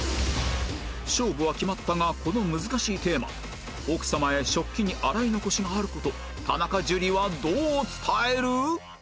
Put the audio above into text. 勝負は決まったがこの難しいテーマ奥さまへ食器に洗い残しがある事田中樹はどう伝える？